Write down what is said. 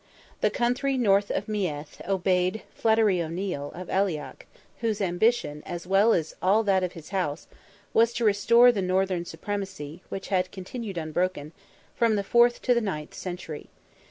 The country, north of Meath, obeyed Flaherty O'Neil, of Aileach, whose ambition, as well as that of all his house, was to restore the northern supremacy, which had continued unbroken, from the fourth to the ninth century.